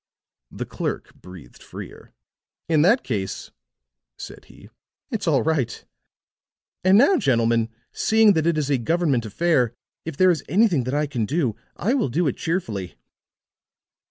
The clerk breathed freer. "In that case," said he, "it's all right. And now, gentlemen, seeing that it is a government affair, if there is anything that I can do, I will do it cheerfully."